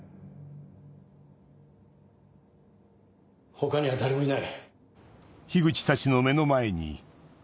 他には誰もいない。